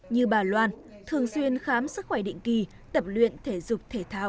như bà loan thường xuyên khám sức khỏe định kỳ tập luyện thể dục thể thao